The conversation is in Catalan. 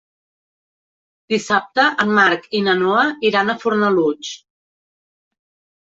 Dissabte en Marc i na Noa iran a Fornalutx.